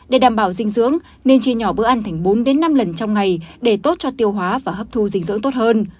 để đảm bảo dinh dưỡng nên chia nhỏ bữa ăn thành bốn năm lần trong ngày để tốt cho tiêu hóa và hấp thu dinh dưỡng tốt hơn